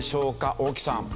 大木さん。